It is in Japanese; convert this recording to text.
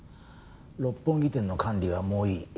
六本木店の管理はもういい。